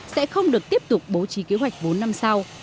sẽ không được tiếp tục bố trí kế hoạch vốn năm sau